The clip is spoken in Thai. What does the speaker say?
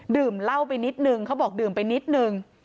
ดื่มเหล้าไปนิดนึงเขาบอกดื่มไปนิดนึง